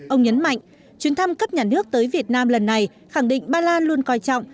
ông nhấn mạnh chuyến thăm cấp nhà nước tới việt nam lần này khẳng định ba lan luôn coi trọng